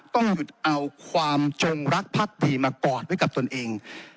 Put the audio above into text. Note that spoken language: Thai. ต้องหยุดเอาความจงรักพักดีมากอดไว้กับตนเอง